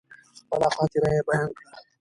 خپله خاطره يې بيان کړه.